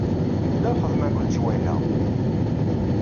Tella lxedma deg leǧwayeh-a.